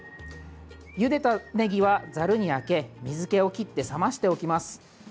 ゆでたねぎは、ざるにあけ水けを切って冷ましておきます。